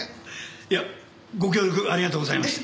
いやご協力ありがとうございました。